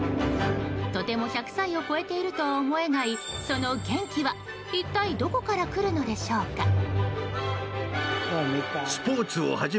とても１００歳を超えているとは思えないその元気は一体どこからくるのでしょうか。